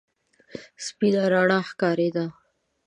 سپينه رڼا ښکارېده.